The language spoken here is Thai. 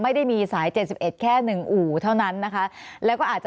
มีประวัติศาสตร์ที่สุดในประวัติศาสตร์